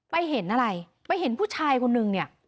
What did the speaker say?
เห็นอะไรไปเห็นผู้ชายคนนึงเนี่ย